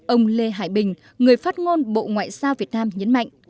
ông lê hải bình người phát ngôn bộ ngoại giao việt nam nhấn mạnh